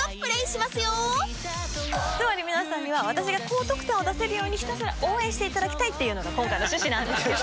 つまり皆さんには私が高得点を出せるようにひたすら応援して頂きたいっていうのが今回の趣旨なんですけど。